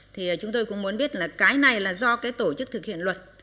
thì chúng tôi cũng muốn biết là cái này là do cái tổ chức thực hiện luật